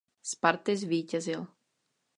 Sparty zvítězil.